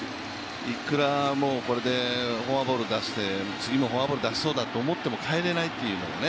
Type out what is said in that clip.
これでフォアボール出して、次も出しそうだと思っても代えれないっていうのがね。